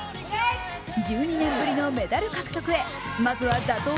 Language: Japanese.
１２年ぶりのメダル獲得へまずは打倒